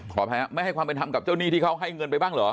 ไม่ให้ความเป็นธรรมกับเจ้าหนี้ที่เขาให้เงินไปบ้างเหรอ